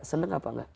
seneng apa enggak